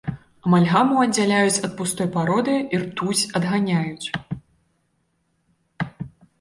Амальгаму аддзяляюць ад пустой пароды, і ртуць адганяюць.